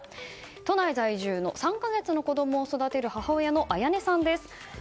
都内在住の３か月の子供を育てる母親のあやねさんです。